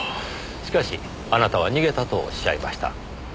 しかしあなたは「逃げた」とおっしゃいました。